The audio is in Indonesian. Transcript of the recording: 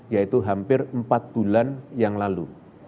yaitu hampir empat bulan yang lalu